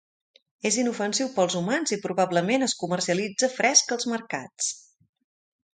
És inofensiu per als humans i, probablement, es comercialitza fresc als mercats.